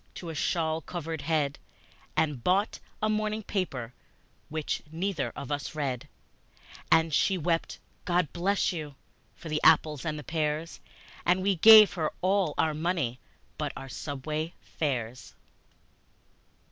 to a shawl covered head, And bought a morning paper, which neither of us read; And she wept, "God bless you!" for the apples and pears, And we gave her all our money but our subway fares.